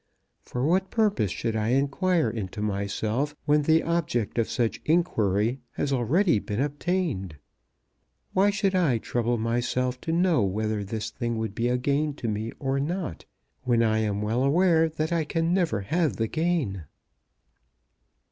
For what purpose should I inquire into myself when the object of such inquiry has already been obtained? Why should I trouble myself to know whether this thing would be a gain to me or not, when I am well aware that I can never have the gain?"